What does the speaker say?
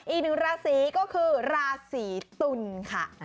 อีกหนึ่งราศีก็คือราศีตุลค่ะ